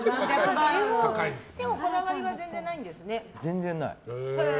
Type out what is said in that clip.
こだわりは全然ないんですね。